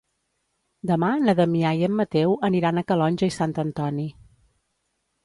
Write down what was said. Demà na Damià i en Mateu aniran a Calonge i Sant Antoni.